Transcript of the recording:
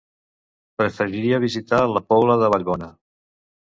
Preferiria visitar la Pobla de Vallbona.